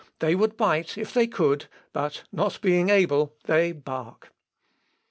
They would bite if they could, but not being able, they bark."